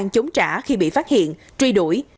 cả khi bị phát hiện truy đuổi